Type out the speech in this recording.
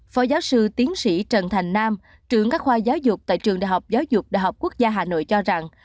phó giáo sư tiến sĩ trần thành nam trưởng các khoa giáo dục tại trường đại học giáo dục đại học quốc gia hà nội cho rằng